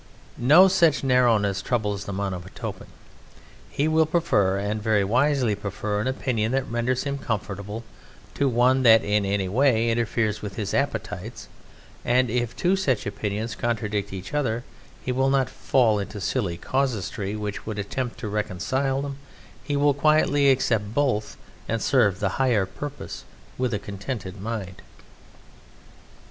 No such narrowness troubles the Monomotapan. He will prefer and very wisely prefer an opinion that renders him comfortable to one that in any way interferes with his appetites; and if two such opinions contradict each other, he will not fall into a silly casuistry which would attempt to reconcile them: he will quietly accept both, and serve the Higher Purpose with a contented mind.